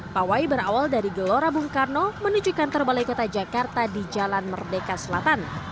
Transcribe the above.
pawai berawal dari gelora bung karno menuju kantor balai kota jakarta di jalan merdeka selatan